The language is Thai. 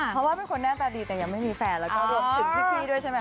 เพราะว่าเป็นคนหน้าตาดีแต่ยังไม่มีแฟนแล้วก็รวมถึงพี่ด้วยใช่ไหมค